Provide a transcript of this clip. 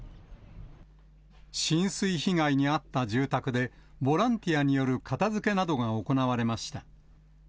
浸水被害に遭った住宅で、ボランティアによる片づけなどが行われました。